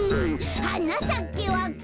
「はなさけわか蘭」